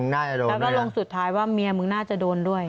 แล้วก็ลงสุดท้ายว่าเมียมึงน่าจะโดนด้วย